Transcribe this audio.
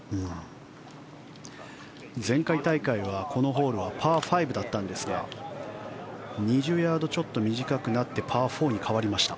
前回大会はこのホールはパー５だったんですが２０ヤードちょっと短くなってパー４に変わりました。